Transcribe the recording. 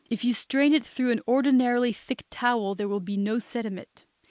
If you strain it through an ordinarily thick towel there will be no sediment.